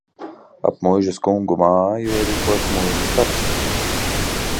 Ap muižas kungu māju ierīkots muižas parks.